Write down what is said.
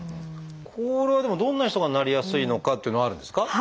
これはでもどんな人がなりやすいのかっていうのはあるんですか？